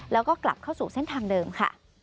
แล้วก็กลับเข้าสู่เส้นทางเดิมค่ะ